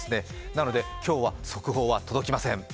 なので今日は速報は届きません。